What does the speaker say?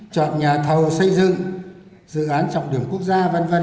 chọn nhà thầu xây dựng dự án trọng điểm quốc gia v v